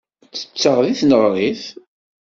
Ttetteɣ deg tneɣrit.